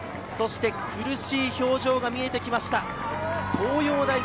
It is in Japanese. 苦しい表情が見えてきました東洋大学。